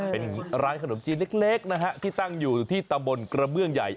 เป็นร้านขนมจีนเล็กนะฮะที่ตั้งอยู่ที่ตำบลกระเบื้องใหญ่